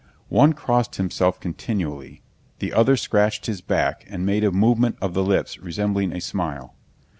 One crossed himself continually, the other scratched his back and made a movement of the lips resembling a smile.